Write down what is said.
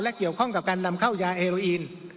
เกี่ยวข้องกับการนำเข้ายาเฮโรอีน